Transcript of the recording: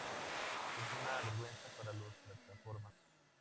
Es una vergüenza para los plataformas.